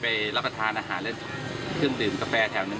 ใคร้ระบะท้านอาหารและเครื่องดื่มกาแฟถ็าวนึง